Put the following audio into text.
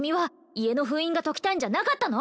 家の封印が解きたいんじゃなかったの？